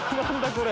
これ。